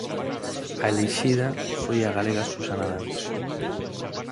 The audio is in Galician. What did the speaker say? A elixida foi a galega Susana Dans.